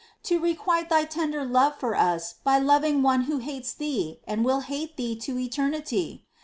to requite Thy tender love for us by loving one who hates Thee, and will hate Thee to eternity